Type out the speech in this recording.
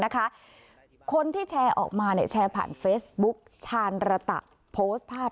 คนที่แชร์ออกมาแชร์ผ่านเฟซบุ๊กชาญระตะโพสต์ภาพ